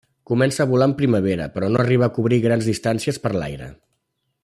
Comença a volar en primavera però no arribar a cobrir grans distàncies per l'aire.